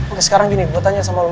oke sekarang gini gue tanya sama lo